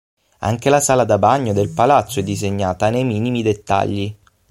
Anche la sala da bagno del Palazzo è disegnata nei minimi dettagli.